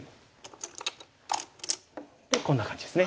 でこんな感じですね。